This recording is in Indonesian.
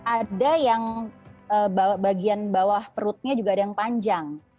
ada yang bagian bawah perutnya juga ada yang panjang